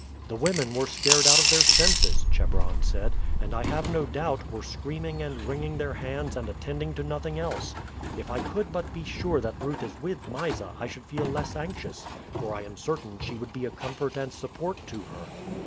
"The women were scared out of their senses," Chebron said, "and, I have no doubt, were screaming and wringing their hands and attending to nothing else. If I could but be sure that Ruth is with Mysa I should feel less anxious, for I am certain she would be a comfort and support to her."